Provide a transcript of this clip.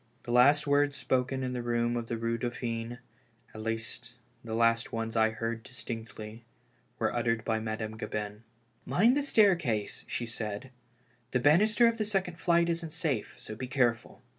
The last words spoken in the room of the Eue Dauphine — at least the last ones I heard distinctly — were uttered by Madame Gabin. "Mind the staircase," she said, "the banister of the second flight isn't safe, so be careful."